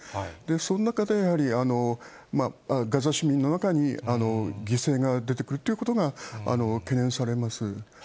その中で、ガザ市民の中に犠牲が出てくるっていうことが懸念されます。